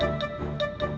kamu mau ke rumah